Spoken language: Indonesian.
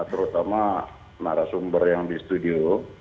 terutama narasumber yang di studio